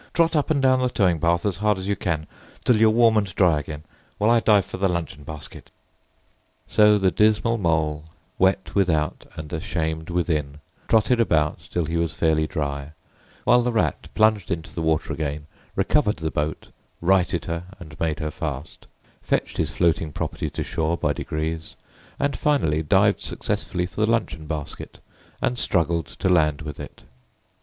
Trot up and down the towing path as hard as you can, till you're warm and dry again, while I dive for the luncheon basket." So the dismal Mole, wet without and ashamed within, trotted about till he was fairly dry, while the Rat plunged into the water again, recovered the boat, righted her and made her fast, fetched his floating property to shore by degrees, and finally dived successfully for the luncheon basket and struggled to land with it.